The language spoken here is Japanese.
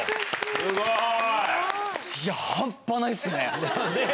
すごい！いや、半端ないっすね。